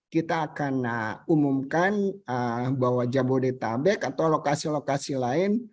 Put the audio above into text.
kita akan umumkan bahwa jabodetabek atau lokasi lokasi lain